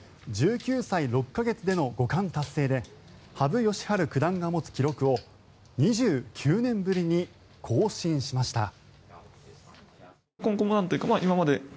１９歳６か月での五冠達成で羽生善治九段が持つ記録を２９年ぶりに更新しました。